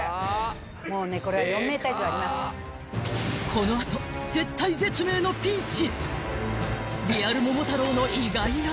［この後絶体絶命のピンチ！］